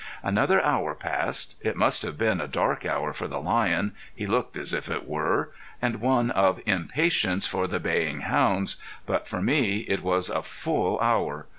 Another hour passed. It must have been a dark hour for the lion he looked as if it were and one of impatience for the baying hounds, but for me it was a full hour.